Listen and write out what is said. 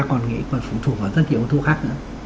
còn nghĩ còn phụ thuộc vào dân kỷ ổn thương khác nữa